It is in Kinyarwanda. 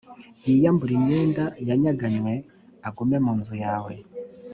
yiyambure imyenda yanyaganywe, agume mu nzu yawe,